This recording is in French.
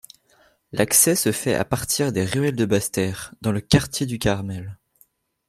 L'accès se fait à partir des ruelles de Basse-Terre, dans le quartier du Carmel.